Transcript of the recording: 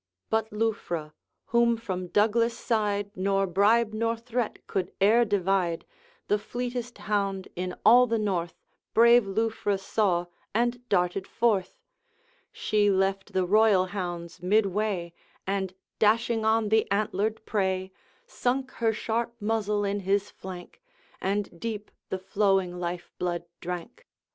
But Lufra, whom from Douglas' side Nor bribe nor threat could e'er divide, The fleetest hound in all the North, Brave Lufra saw, and darted forth. She left the royal hounds midway, And dashing on the antlered prey, Sunk her sharp muzzle in his flank, And deep the flowing life blood drank.